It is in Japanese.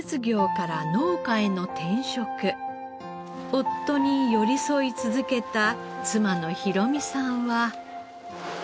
夫に寄り添い続けた妻の博美さんは。